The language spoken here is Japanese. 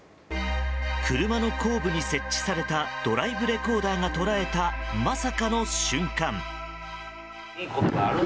車の後部に設置されたドライブレコーダーが捉えたまさかの瞬間。